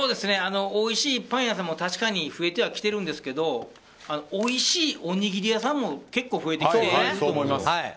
おいしいパン屋さんも確かに増えては来てるんですけどおいしいおにぎり屋さんも結構増えてきてるんですよ。